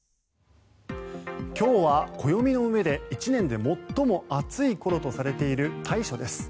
今日は暦の上で１年で最も暑いころとされている大暑です。